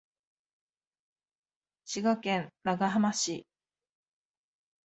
滋賀県長浜市